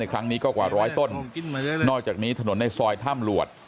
ครั้งนี้ก็กว่าร้อยต้นนอกจากนี้ถนนในซอยถ้ำหลวด